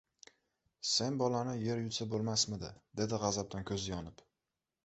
— Sen bolani yer yutsa bo‘lmasmidi! — dedi g‘azabdan ko‘zi yonib.